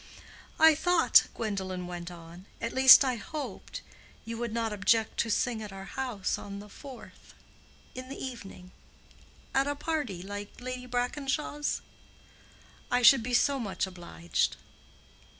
"I thought," Gwendolen went on—"at least I hoped, you would not object to sing at our house on the 4th—in the evening—at a party like Lady Brackenshaw's. I should be so much obliged."